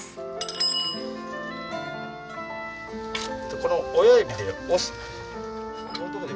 この親指で押す。